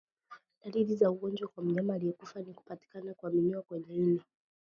Dalili za ugonjwa kwa mnyama aliyekufa ni kupatikana kwa minyoo kwenye ini